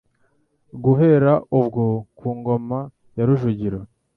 Guhera ubwo, ku ngoma ya Rujugira,